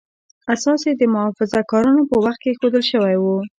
اساس یې د محافظه کارانو په وخت کې ایښودل شوی و.